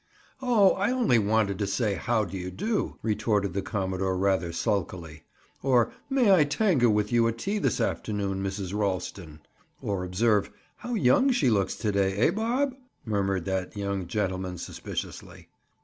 "Oh, I only wanted to say: 'How do you do,'" retorted the commodore rather sulkily. "Or 'May I tango with you at tea this afternoon, Mrs. Ralston?'" "Or observe: 'How young she looks to day, eh, Bob?'" murmured that young gentleman suspiciously.